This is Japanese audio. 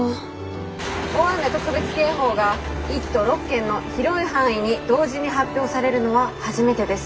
「大雨特別警報が１都６県の広い範囲に同時に発表されるのは初めてです。